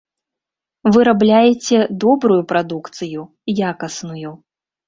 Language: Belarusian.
Вырабляеце добрую прадукцыю, якасную.